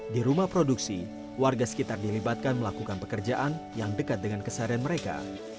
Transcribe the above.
di rumah produksi warga sekitar dilibatkan melakukan pekerjaan yang dekat dengan keseharian mereka